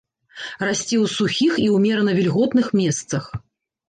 Расце ў сухіх і ўмерана вільготных месцах.